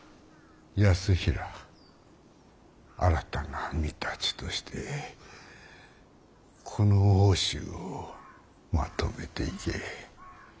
泰衡新たな御館としてこの奥州をまとめていけ。